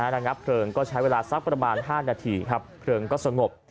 รังงั้งเราใช้เวลาประมาณ๕นาทีเพลิงก็สงบ